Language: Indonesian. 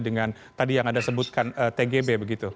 dengan tadi yang anda sebutkan tgb begitu